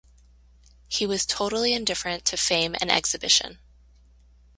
He was totally indifferent to fame and exhibition.